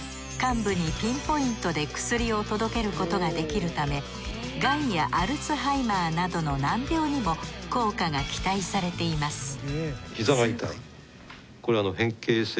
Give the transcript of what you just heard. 患部にピンポイントで薬を届けることができるためがんやアルツハイマーなどの難病にも効果が期待されています